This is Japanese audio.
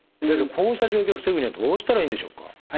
こうした状況を防ぐにはどうしたらいいんでしょうか？